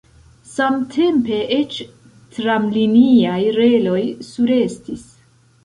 Samtempe eĉ tramliniaj reloj surestis.